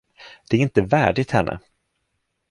Det är inte värdigt henne.